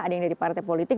ada yang dari partai politik